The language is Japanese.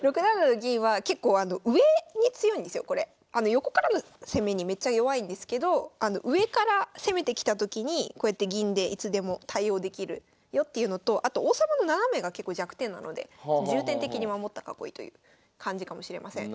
横からの攻めにめっちゃ弱いんですけど上から攻めてきたときにこうやって銀でいつでも対応できるよっていうのとあと王様の斜めが結構弱点なので重点的に守った囲いという感じかもしれません。